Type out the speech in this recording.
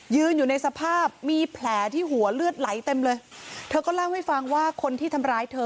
อยู่ในสภาพมีแผลที่หัวเลือดไหลเต็มเลยเธอก็เล่าให้ฟังว่าคนที่ทำร้ายเธอ